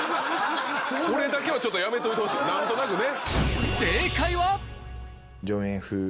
これだけはちょっとやめてほしい何となくね。